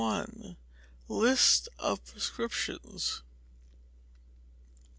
List of Prescriptions.